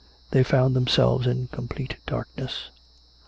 They found them selves in complete darkness.